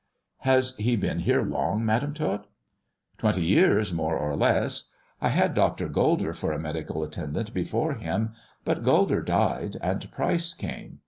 " Has he been here long. Madam Tot 1 "" Twenty years, more or less. I had Dr. Gulder for a medical attendant before him. But Gulder died, and Pryce came.